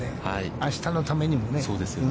あしたのためにもね。